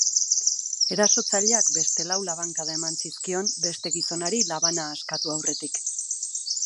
Erasotzaileak beste lau labankada eman zizkion beste gizonari labana askatu aurretik.